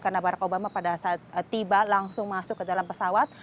karena barack obama pada saat tiba langsung masuk ke dalam pesawat